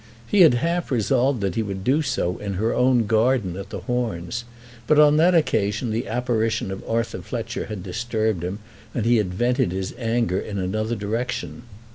He had half resolved that he would do so in her own garden at the Horns; but on that occasion the apparition of Arthur Fletcher had disturbed him, and he had vented his anger in another direction.